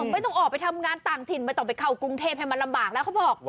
ไม่ต้องออกไปทำงานต่างถิ่นไม่ต้องไปเข้ากรุงเทพให้มันลำบากแล้วเขาบอก